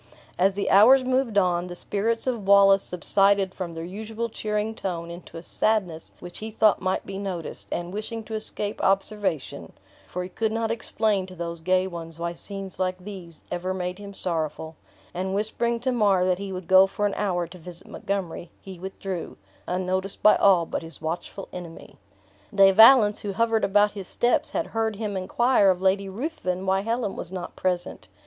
As the hours moved on, the spirits of Wallace subsided from their usual cheering tone into a sadness which he thought might be noticed; and wishing to escape observation (for he could not explain to those gay ones why scenes like these ever made him sorrowful), and whispering to Mar that he would go for an hour to visit Montgomery, he withdrew, unnoticed by all but his watchful enemy. De Valence, who hovered about his steps, had heard him inquire of Lady Ruthven why Helen was not present!